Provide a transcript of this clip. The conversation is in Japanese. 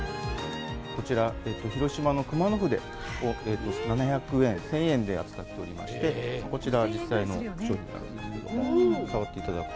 こちら、広島の熊野筆を７００円、１０００円で扱っておりまして、こちら実際の商品なんですけれども、触っていただくと。